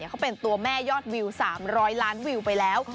เขาเป็นตัวแม่ยอดวิว๓๐๐ล้านวิวไปแล้ว